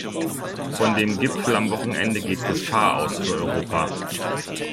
Von dem Gipfel am Wochenende geht Gefahr aus für Europa.